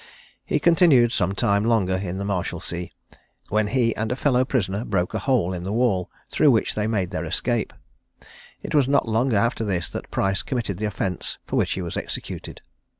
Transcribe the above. He continued some time longer in the Marshalsea, when he and a fellow prisoner broke a hole in the wall, through which they made their escape. It was not long after this that Price committed the offence for which he was executed.